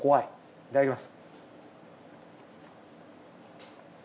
いただきます。